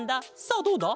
さあどうだ？